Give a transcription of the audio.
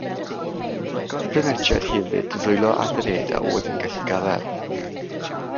Datblygodd primatiaid hefyd ddwylo a thraed a oedd yn gallu gafael.